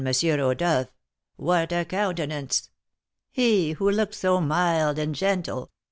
Rodolph, what a countenance! he who looked so mild and gentle!